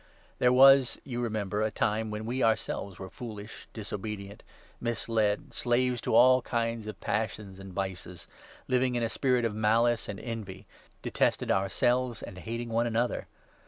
There was, you 3 remember, a time when we ourselves were foolish, disobedient, misled, slaves to all kinds of passions and vices, living in a spirit of malice and envy, detested ourselves and hating one another.